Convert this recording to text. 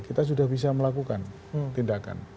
kita sudah bisa melakukan tindakan